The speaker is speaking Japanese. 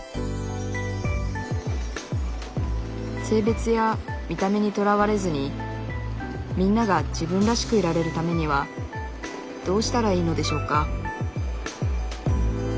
性別や見た目にとらわれずにみんなが自分らしくいられるためにはどうしたらいいのでしょうか？